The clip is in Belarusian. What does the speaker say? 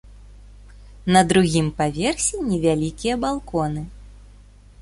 На другім паверсе невялікія балконы.